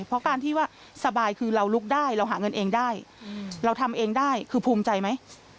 เพราะการที่ว่าสบายคือเราลุกได้เราหาเงินเองได้เราทำเองได้คือภูมิใจไหม